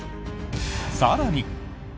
更に。